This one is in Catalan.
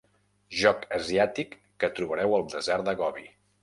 Joc asiàtic que trobareu al desert de Gobi.